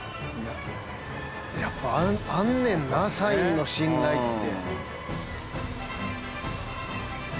やっぱあんねんなサインの信頼って。